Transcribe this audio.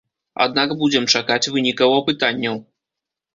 Аднак будзем чакаць вынікаў апытанняў.